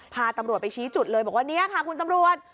พาตำรวจไปชี้จุดเลยบอกว่าเนี่ยค่ะคุณตำรวจ